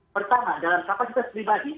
pertama dalam kapasitas pribadi